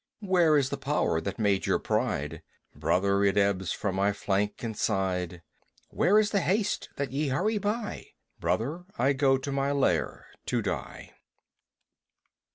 Where is the power that made your pride? Brother, it ebbs from my flank and side. Where is the haste that ye hurry by? Brother, I go to my lair to die.